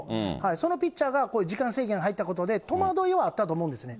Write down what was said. そのピッチャーがこういう時間制限が入ったことで、戸惑いはあったと思うんですね。